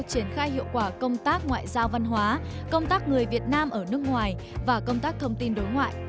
triển khai hiệu quả công tác ngoại giao văn hóa công tác người việt nam ở nước ngoài và công tác thông tin đối ngoại